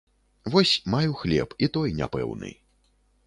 Вось маю хлеб, і той няпэўны.